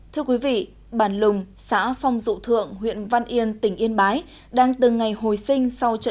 thưa quý vị bản lùng xã phong dụ thượng huyện văn yên tỉnh yên bái đang từng ngày hồi sinh sau trận